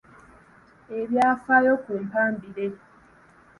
Ebyafaayo ku Mpambire.